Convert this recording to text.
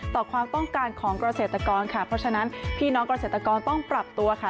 ต่อความต้องการของเกษตรกรค่ะเพราะฉะนั้นพี่น้องเกษตรกรต้องปรับตัวค่ะ